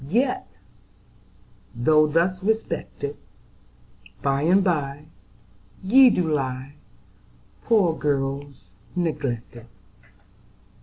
Yet, though thus respected, By and by Ye do lie, Poor girls, neglected.